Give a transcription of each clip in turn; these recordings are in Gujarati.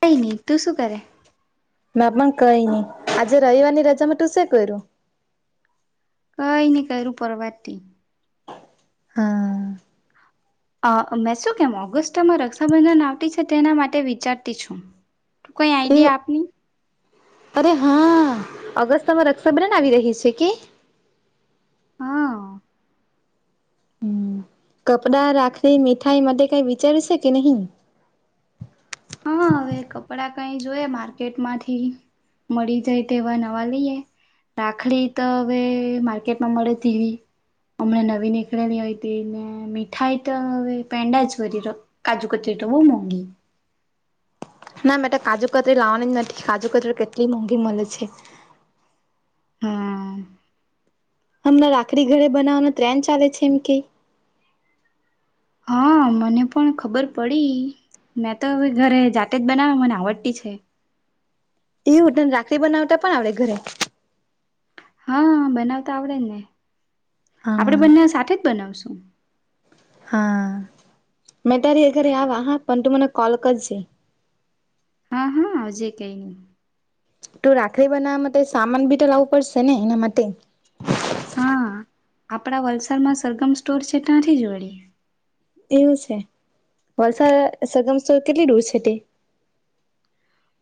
કઈ નહી, તું શું કરે? મે પણ કહીની, આજે રહીવારની રજામાં તું શું કર્યું? કઈ નહી કર્યું, પરવાતતી હા અ મેં શું કેવુ, ઓગસ્ટામાં રક્ષાબંધન આવતી છે, તેના માટે વિચારતી છું. તું કઈ એ આઈડિયા આપની. અરે હા! અગસ્તમાં રક્ષાબનન આવી રહી છે કે? હા હમ કપડાં, રાખી, મીઠાઈ માટે કઈ વિચારશે કે નહીં? હા હવે કપડાં કઈ જોય માર્કેટ માંથી. મળી જાય તેવા નવા લઈએ. રાખડી તો હવે માર્કેટમાં મળે તેવી. હમણાં નવી નીકળેલી હોય તે, ને મીઠાઈ તો હવે પેંડા જ કરીદો કાજુકતરી તો બહુ મોંઘી. ના મેટો કાજુકતરી લાવવાની જ નથી, કાજુકતરી કેટલી મોંઘી મળે છે. હા હમણા રાખડી ઘરે બનાવાનું ટ્રેન ચાલે છે, એમ કે. હા મને પણ ખબર પડી. મેં તો હવે ઘરે જાતે જ બનાવુ, મને આવડતી છે. એવું તને રાખડી બનાવતા પણ આવડે ઘરે? હા બનાવતા આવડેજ ને, આપડે બંને હા સાથેજ બનાવશું. હા મે તારી એ ઘરે આવા હા, પણ તું મને કોલ કરજે. હા હા આજે કઈ નહી. તો રાખડી બનાવવા માટે સામાન બી તો લાવવું પડશે ને એના માટે. હા આપણા વલસાડમાં સરગમ સ્ટોર છે, ત્યાંથી જ વળી. એવું છે, વલસાડ સરગમ સ્ટોર કેટલી દૂર છે તે?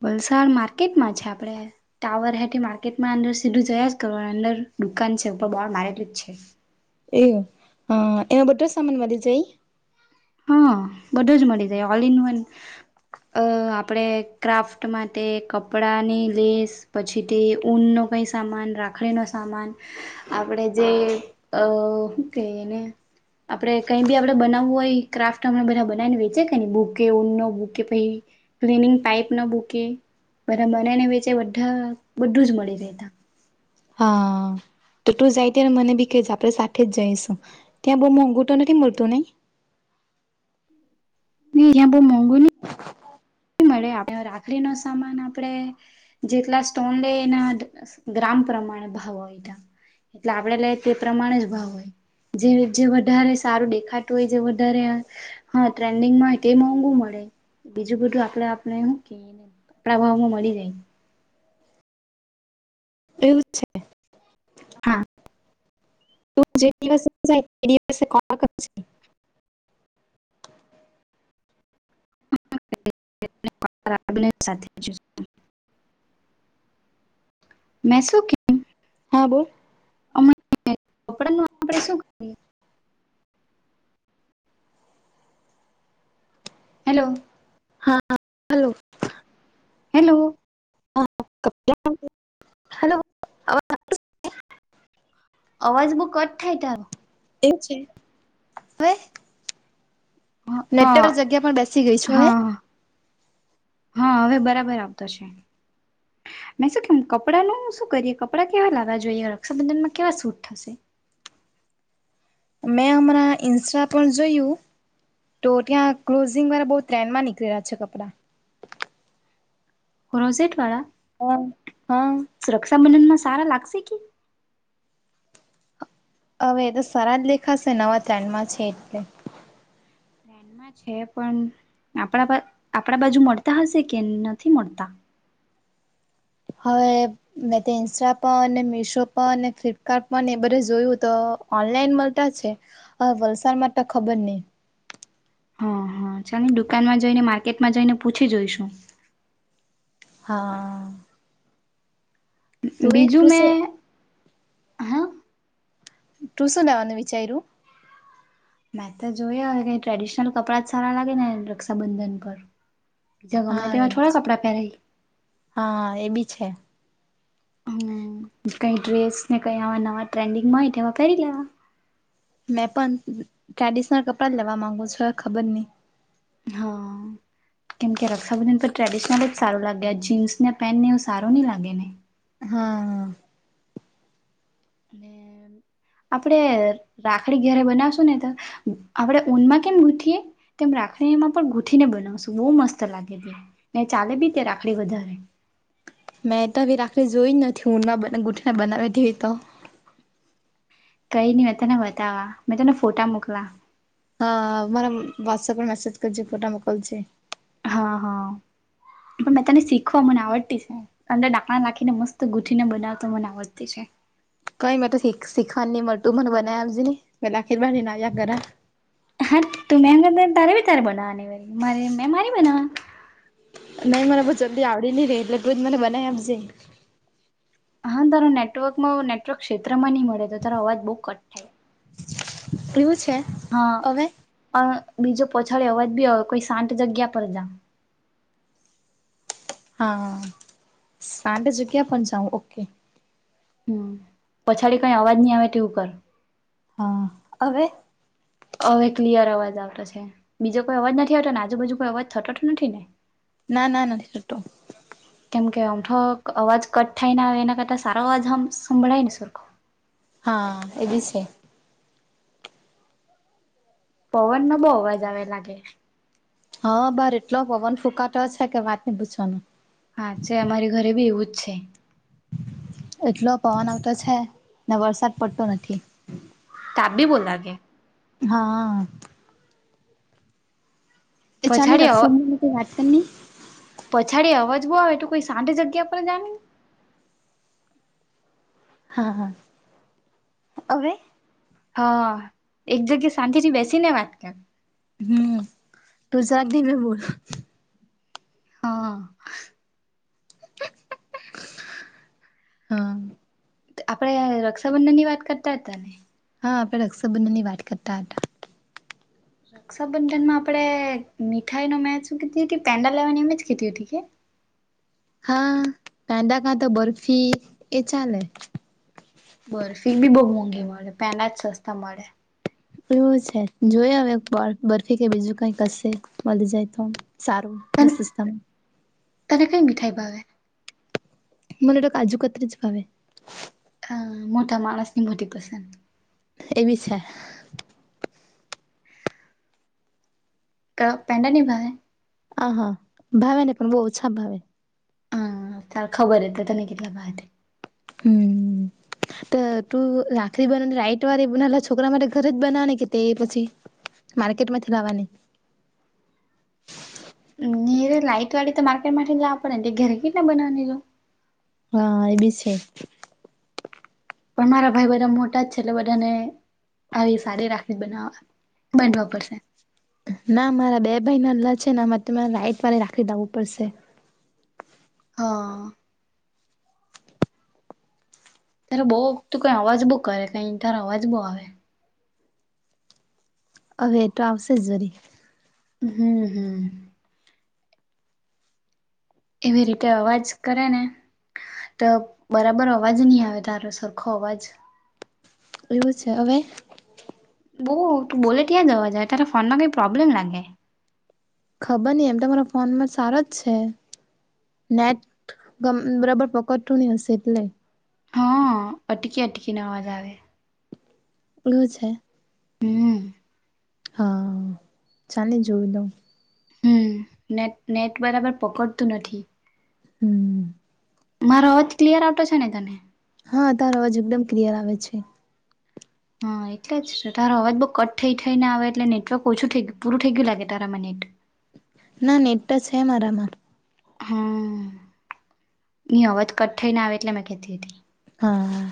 વલસાડ માર્કેટમાં છે આપણે. ટાવર હે કે, માર્કેટમાં અંદર સીધું જયાસ જ કરવાનુ, અંદર દુકાન છે ઉપર બોડ મારેલું જ છે. એવુ, અ એમાં બધોજ સામાન વધી જઈ. હા બધો જ મળી જાય, ઓલ ઇન વન. અ આપડે ક્રાફ્ટ માટે, કપડાંની લેસ. પછી તે ઊનનો કંઈ સામાન, રાખડીનો સામાન. આપડે જે અ હું કેઈ એને આપડે કઈ બી આપણે બનાવવું હોય ક્રાફ્ટ હમણા બધા બનાવી ને વેચે છે નહી, બૂકે ઊનનો બૂકે પછી ક્લીનિંગ ટાઈપ નો બૂકે, બધા બને ને વેચે, બધા બધું જ મળી રહે ત્યાં. હા, તો તું જાય ત્યારે મને બી કેજે, આપડે સાથે જ જઈશું. ત્યાં બહુ મોંઘું તો નથી મળતું નહીં? ના ત્યાં બહુ મોંઘું નહિ. મળે આપડે રાખડી નો સામાન આપણે જેટલા સ્ટોન લે એના ગ્રામ પ્રમાણે ભાવ વયધા એટલે આપડે લે તે પ્રમાણે જ ભાવ હોય જે જે વધારે સારું દેખાતું હોય જે વધારે હા ટ્રેન્ડિંગ માં તે મોંઘુ મળે બીજું બધું આપણે આપણે હું કેવાય આપણા ભાવ માં મળી જાય. એવું છે હા તું જે દિવસે તે દિવસે [unintelligible] [unintelligible] મે શું કેવ હા બોલ અમણે કપડા નું આપણે શું [unintelligible] હેલો. હા હલો હેલો [unintelligible] અવાજ બો કટ થાય તારુ એવું છે [unintelligible] હા નેટવર્ક જગ્યા પર બેસી ગઈ છું હવે હા હા હવે બરાબર આવતો છે. મે શું કેમ કપડાંનું શું કરીએ કપડાં કેવા લાવવા જોઈએ રક્ષાબંધનમાં કેવા સૂટ થશે મેં અમારાં ઇન્સ્ટા પર જોયું તો ત્યાં ક્લોઝિંગ વાળા બહુ ટ્રેનમાં નીકળેલા છે કપડાં કોરોઝેટવાળા હા હા સુરક્ષાબંધન માં સારા લાગશે કે હવે એ તો સારા જ દેખાશે નવાટ્રેનમાં છે એટલે ટ્રેનમાં છે પણ આપણા આપણા બાજુ મળતા હશે કે નથી મળતા હવે મેં તો ઇન્સ્ટા પર અને મીશો પર અને ફ્લિપકાર્ટ પણ એ બધું જોયું તો ઓનલાઈન મળતા છે હવે વલસાડમાં તો ખબર નહી. હ હા ચાલ ને દુકાનમાં જઈને માર્કેટમાં જઈને પૂછી જોઈશું હા તું એ બીજું તું શું મેં હા તું શું લેવાનું વિચાયરું મેં તો જોયે અવે ટ્રેડિશનલ કપડાં જ સારા લાગે ને રક્ષાબંધન પર ગમે હા તેવા એ બી થોડી છે કપડાં પહેરાય હા એ બી છે. હમ્મ કઈ ડ્રેસને કઈ આવા નવા ટ્રેન્ડિંગમાં હોય તેવા પહેરી લેવા મેં પણ ટ્રેડિશનલ કપડા લેવા માંગુ છું ખબર નહી હા. કેમ કે રક્ષાબંધન પર ટ્રેડિશનલ જ સારું લાગે આ જીન્સને પેન્ટ ને એ સારું ની લાગે હા. અનેને આપડે રાખડી ઘરે બનાવશું ને તો આપણે ઊનમાં કેમ ગુથીયએ તેમ રાખડી એમાં પણ ગૂઠીને બનાવશું બહુ મસ્ત લાગે તે ને ચાલે બી તે રાખડી વધારે. મેં તો એવી રાખડી જોઈ જ નથી ઊંનમાં ગૂંથીને બનાવે દવી તો કઈ નઈ મેં તને બતાવવા મેં તને ફોટા મોકલા હા મારા વોટસઅપ મેસેજ કરજે ફોટા મોકલ જે હા હા પણ મેં તને શીખવા મને આવડતી છે. અંદર દાણા નાખીને મસ્ત ગૂથીને બનાવતો મને આવડતું છે. કઈ મે તોખ સીખવા નની તું મને બનાયા આજ ને પ આખીરવાર નાયા કર હા તું મેમ તારે બી તારે બનાવ અને વારી મારે મે મારે બનાવા. નહીં મને બ જલ્દી આવડી નઈ રહી એટલે કઈ જ મને બનાઈ આપજે. હા તારા નેટવર્કમાં નેટવર્ક ક્ષેત્રમાં નહીં મળે તો તારો અવાજ બહુ કટ થાય. કેવું છે. હા હવે અ બીજો પોછાડ અવાજ બી હો કોઈ શાંત જગ્યા પર જા. હા સાંંતે જુગ્યા પ જાઉું ઓકે. હમ પછાડી કઈ અવાજ નહી આવે તેવું કર. હા હવે. હવે ક્લિયર અવાજ આવતો છે બીજો કોઈ અવાજ નથી આવતો ને આજુબાજુ કોઈ અવાજ છતો નથી ને. ના ના ના થટો કેમ કે ઓમઠો અવાજ કટ થાય ને આવે એના કરતાં સારો અવાજ સંભળાય ને સરખો હા એ બી છે. પવન નો બહુ અવાજ આવે લાગે હા બાર એટલો પવન ફૂંકાતો છે કે વાતની પૂછવાનો હા છે અમારી ઘરે બી એવું જ છે. એટલો પવન આવતો છે ને વરસાદ પડતો નથી. તાપ બી બો લાગે. હા. એ ચાલની પછાડી અવ રક્ષાબંધન પર વાત કરીની પછાડી અવાજ બહુ આવે તો કોઈ સાંઠ જગ્યા પર જા ને હા હા હવે. હા એક જગ્યા શાંતિ થી બેસી ને વાત કર હમ તું [unintelligible] ગ ન મે બોલ હા. હા. આપણેે રક્ષાબંધન ની વાત કરતા હતા ને. હા આપણે રક્ષાબંધન ની વાત કરતા હતા. રક્ષાબંધન માં આપડે મીઠાઈ ન મેં શું કીધી હતી પેન્ડાલ લેવાની એમ જ કીધી હતી કે હા કાંદા કા તો બરફી એ ચાલે બર ફી બી બહુ મોંઘી મળે પેન્ડા જ સસ્તા મળે. એવું છે જોય હવે બરફી કે બીજું કઈ કશે મળી જાય તો. સારું તને સિસ્ટમ તને કઇ મીઠાઈ ભાવે મને તો કાજુકતરી જ ભાવે. હ મોટા માણસ ની મોટી પસંદ. એવી છે. ક પેન્ડા નિ ભાવે આ હા ભાવે ને પણ બહુ ઓછા ભાવે. હમ ચાલ ખબર એ તો તને કેટલા ભહ તે. હમ. તું રાખડી બનાને રાઈટ વાળી નના છોકરા માટે ઘરે જ બનાને કે તે પછી માર્કેટ માં થી લાવાની રે લાઈટ વાળી તો માર્કેટ માટે જ પડેને ઘરે કેટલા બનાવાની એ તો હા એ બી છે. પણ મારા ભાઈ બધા મોટા જ છે એટલે બધાને આવી સારી રાખડી બનાવ બાનવા પડશે. ના મારા બે ભાઈ નાના છે નેરે તમારે રાઈટ વાળે રાખડી દવું પડશે. હા. ત્યારે બહુું કઈ અવાજ બહુ કરે કઈ તારો અવાજ બહુ આવે. અવ એ તો આવશે ઝરી હમ, હમ. એવી રીતે અવાજ કરે ને, તો બરાબર અવાજ ની આવે તારો સરખો અવાજ. એવું છે, અવે? બઉ, તું બોલે ત્યા જ અવાજ આવે. તારા ફોનમાં કઈ પ્રોબ્લેમ લાગે. ખબર ની, એમ તો મારા ફોનમાં સારો જ છે. નેટ ગમ બરાબર પકડતુ ની હશે એટલે હન, અટકી-અટકી ને અવાજ આવે. એવુ છે. હમ. હન, ચાલે જોયું દઉ. હમ, નેટ-નેટ બરાબર પકડતું નથી. હમ. મારો અવાજ ક્લિયર આવતો છે ને તને? હન, તારો અવાજ એકદમ ક્લિયર આવે છે. હન, એટલે જ તારો અવાજ બઉ કટ થઈ થઈને આવે એટલે નેટવર્ક ઓછું થઈ ગયુ પૂરું થઈ ગયું લાગે, તારામાં નેટ. ના, નેટ ટો શે, મારામાં. હમ, ની અવાજ કટ થઈ ને આવે એટલે મેં કેહતી હતી. હા,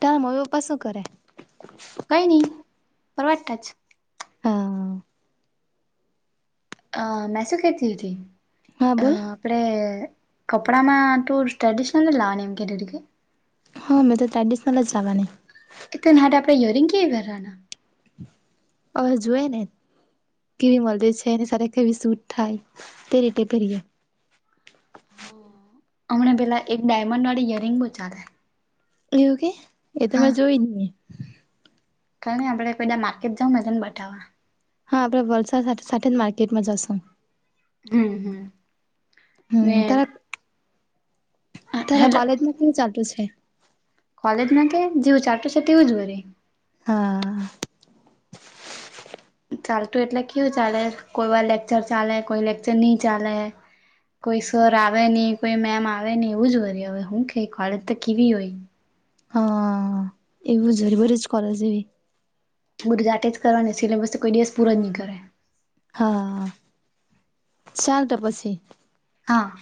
તાર મમ્મી-પપ્પા શું કરે? કઈ ની પરવાટા છ. હા અ, મે શું કેતી હતી? હા અ બોલ આપડે કપડામાં ટું ટ્રેડીશનલ જ લાવાની એમ કેતી તી કે? હન, મેં તો ટ્ર્રેડિશનલ જ લાવાની. ઈ તીન હાડ આપડે યરિંગ કેવી પેરવાના? અવે જોયે ને કેવી મલતી છે, એની સાથે કેવી સૂટ થાય. તે રીતે કરીએ. હમણા પેલા એક ડાયમંડ વાળી યરિંગ બઉ ચાલે. એવું કે એ તો મે જોયુ જ ની. કાણે, આપડે પેલા માર્કેટ જાવ મે તન બતાવા. હા, આપડે વલસાડ હાથે સાથે જ માર્કેટમાં જાશું. હમ હમ હમ, તારા અ તારા હેલો, કોલેજમાં કેવું ચાલતું છે કોલેજમાં કે જેવું ચાલતું શે તેવું જ વરી. હા. ચાલતું એટલે કેવું ચાલે કોઈ વાર લેકચર ચાલે કોઈ લેક્ચર ની ચાલે. કોઈ સર આવે ની, કોઈ મેમ આવે ની એવું જ વરી હવે હું કે, કોલેજ તો કેવી હોય? હન, એવું જ વરી બધુ જ કૉલેજ જેવી બંધુ જાતે જ કરવાનું સિલેબસ કોઈ દિવસ પૂરો જ ની કરે. હા, ચાલ તો પસી હા.